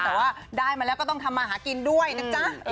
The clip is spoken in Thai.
แต่ว่าได้มาแล้วก็ต้องทำมาหากินด้วยนะจ๊ะ